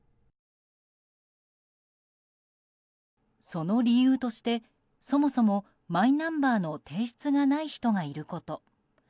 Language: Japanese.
その理由としてそもそもマイナンバーの提出がない人がいること。